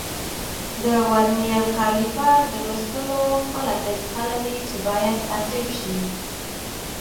د ورنیز کالیپر د لوستلو خپله طریقه لري چې باید تعقیب شي.